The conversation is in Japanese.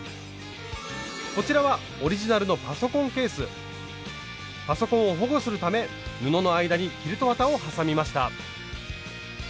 こちらはオリジナルのパソコンを保護するため布の間にキルト綿を挟みました。